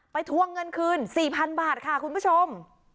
ทวงเงินคืน๔๐๐๐บาทค่ะคุณผู้ชม